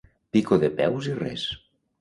Pico de peus i res.